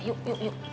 yuk yuk yuk